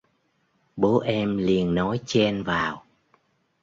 Bố em liền nói chen vào